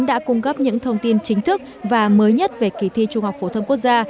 đã cung cấp những thông tin chính thức và mới nhất về kỳ thi trung học phổ thông quốc gia